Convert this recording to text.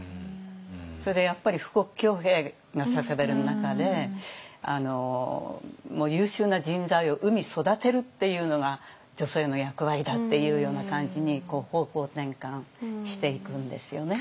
それでやっぱり富国強兵が叫ばれる中で優秀な人材を産み育てるっていうのが女性の役割だっていうような感じに方向転換していくんですよね。